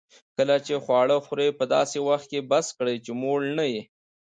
کله چي خواړه خورې؛ په داسي وخت کښې بس کړئ، چي موړ نه يې.